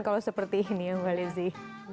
kalau seperti ini ya mbak lizzie